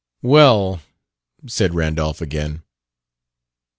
"Well," said Randolph again.